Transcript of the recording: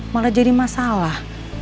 malah jadi masalah